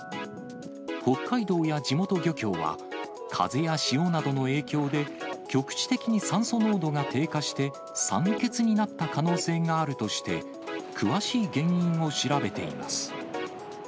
北海道や地元漁協は、風や潮などの影響で、局地的に酸素濃度が低下して、酸欠になった可能性があるとして、詳しい原因を調べています。